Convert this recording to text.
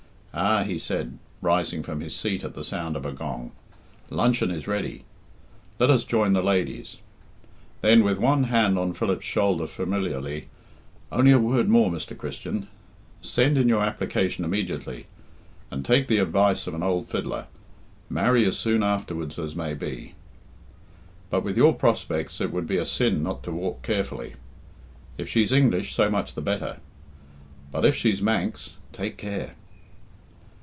Ah!" he said, rising from his seat at the sound of a gong, "luncheon is ready. Let us join the ladies." Then, with one hand on Philip's shoulder familiarly, "only a word more, Mr. Christian. Send in your application immediately, and take the advice of an old fiddler marry as soon afterwards as may be. But with your prospects it would be a sin not to walk carefully. If she's English, so much the better; but if she's Manx take care."